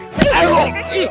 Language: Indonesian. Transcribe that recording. kok mereka tidak lewat ya